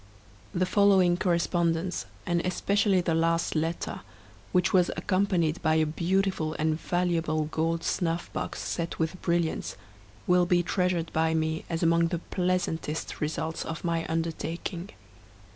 The following correspondence, and especially the last letter, which was accompanied by a beautiful and valuable gold snuff box set with brilliants, will be treasured by me as among the pleasantest results of my undertaking.